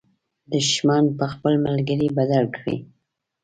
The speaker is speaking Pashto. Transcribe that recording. دښمن په خپل ملګري بدل کړئ.